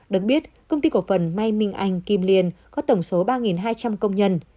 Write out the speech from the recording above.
được biết công ty cổ phần may minh anh kim liên có tổng số ba hai trăm linh công nhân